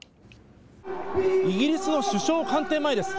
イギリスの首相官邸前です。